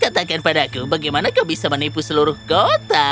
katakan padaku bagaimana kau bisa menipu seluruh kota